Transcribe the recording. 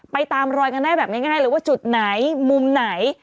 ตามรอยกันได้แบบง่ายเลยว่าจุดไหนมุมไหน